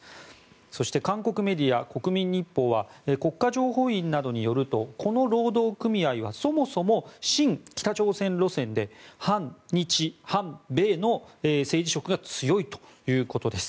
そして韓国メディア、国民日報は国家情報院などによるとこの労働組合はそもそも親北朝鮮路線で反日、反米の政治色が強いということです。